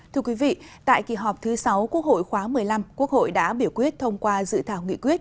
thưa quý vị tại kỳ họp thứ sáu quốc hội khóa một mươi năm quốc hội đã biểu quyết thông qua dự thảo nghị quyết